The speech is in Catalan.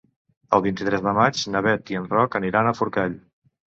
El vint-i-tres de maig na Bet i en Roc aniran a Forcall.